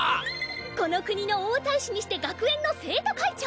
この国の王太子にして学園の生徒会長。